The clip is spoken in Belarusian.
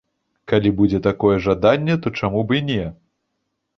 Калі будзе такое жаданне, то чаму б і не.